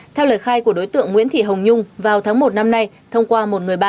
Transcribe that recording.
theo lời khai của đối tượng nguyễn thị hồng nhung vào tháng một năm nay thông qua một người bạn